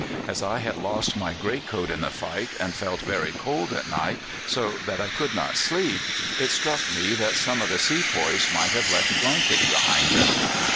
As I had lost my greatcoat in the fight, and felt very cold at night, so that I could not sleep, it struck me that some of the sepoys might have left blankets behind them.